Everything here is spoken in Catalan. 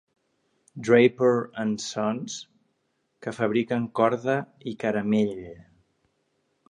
"Draper and Sons", que fabriquen corda i caramell